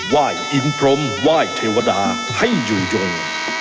ว่ายอินพร้อมว่ายเทวดาให้อยู่ยง